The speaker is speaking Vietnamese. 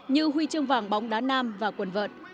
như huy chương vàng bóng đá nam và quần vợn